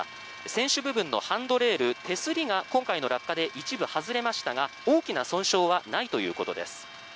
船首部分のハンドレール手すりが今回の落下で一部外れましたが大きな損傷はないということです。